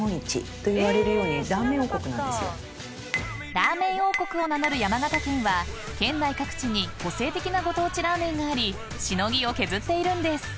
［ラーメン王国を名乗る山形県は県内各地に個性的なご当地ラーメンがありしのぎを削っているんです］